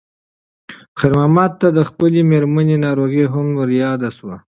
خیر محمد ته د خپلې مېرمنې ناروغي هم ور یاده شوه.